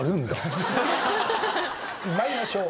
参りましょう。